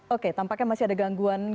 oke tampaknya masih ada gangguan